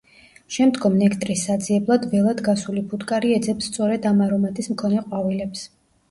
შემდგომ ნექტრის საძიებლად ველად გასული ფუტკარი ეძებს სწორედ ამ არომატის მქონე ყვავილებს.